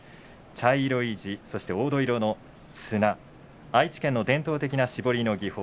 茶色地に黄土色の綱愛知県の伝統的な絞りの技法